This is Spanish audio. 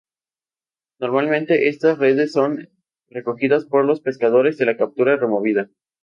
Normalmente estas redes son recogidas por los pescadores y la captura removida.